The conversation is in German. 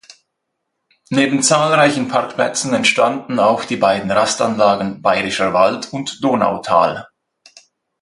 Neben zahlreichen Parkplätzen entstanden auch die beiden Rastanlagen "Bayerischer Wald" und "Donautal".